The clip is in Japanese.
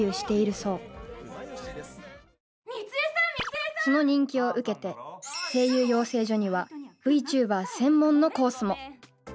多いときはその人気を受けて声優養成所にはＶＴｕｂｅｒ専門のコースも。